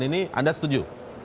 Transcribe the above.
ini anda setuju